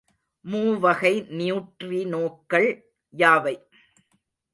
மூவகை நியூட்ரினோக்கள் யாவை?